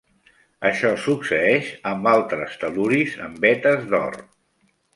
Això succeeix amb altres tel·luris en vetes d'or.